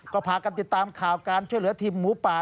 ก็พากันติดตามข่าวการช่วยเหลือทีมหมูป่า